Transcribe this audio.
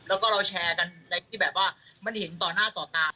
แล้วก็เราแชร์กันในที่แบบว่ามันเห็นต่อหน้าต่อตา